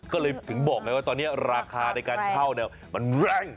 ก็เลยถึงบอกไงว่าตอนนี้ราคาในการเช่าเนี่ยมันแรง